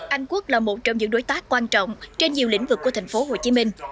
anh quốc là một trong những đối tác quan trọng trên nhiều lĩnh vực của thành phố hồ chí minh